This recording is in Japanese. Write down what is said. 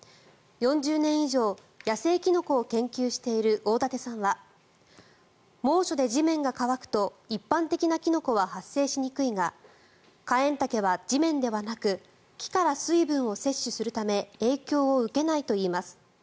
４０年以上、野生キノコを研究している大舘さんは猛暑で地面が乾くと一般的なキノコは発生しにくいがカエンタケは地面ではなく木から水分を摂取するため影響を受けないといいます。